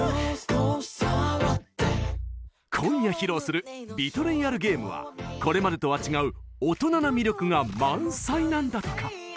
今夜披露する「ＢｅｔｒａｙａｌＧａｍｅ」はこれまでとは違う大人な魅力が満載なんだとか。